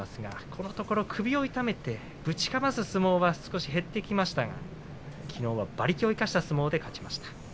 このところ首を痛めてぶちかます相撲はちょっと減りましたがきのうは馬力を生かした相撲で勝ちました。